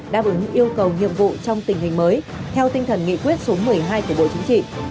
đáp ứng yêu cầu nhiệm vụ trong tình hình mới theo tinh thần nghị quyết số một mươi hai của bộ chính trị